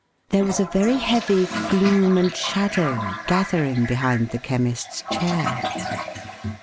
There was a very heavy gloom and shadow gathering behind the Chemist's chair.